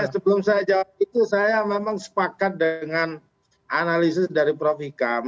sebelum saya jawab itu saya memang sepakat dengan analisis dari prof ikam